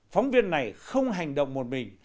phóng viên này không hành động một mình